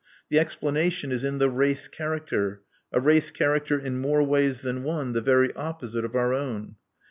The explanation is in the race character, a race character in more ways than one the very opposite of our own.